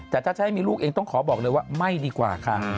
แต่ถ้าจะให้มีลูกเองต้องขอบอกเลยว่าไม่ดีกว่าค่ะ